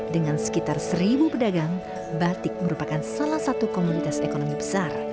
dengan sekitar seribu pedagang batik merupakan salah satu komunitas ekonomi besar